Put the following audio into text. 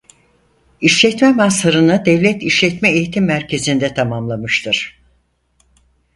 İşletme master'ını Devlet İşletme Eğitim Merkezi'nde tamamlamıştır.